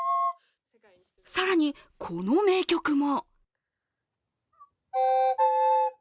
さらに、この名曲も。